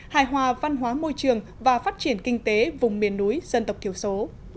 hài hòa văn hóa môi trường và phát triển kinh tế vùng miền núi dân tộc thiểu số